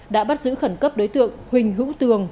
đã bắt giữ khẩn cấp đối tượng huỳnh hữu tường